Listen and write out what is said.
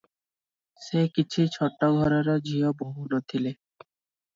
ସେ କିଛି ଛୋଟ ଘରର ଝିଅ ବୋହୂ ନ ଥିଲେ ।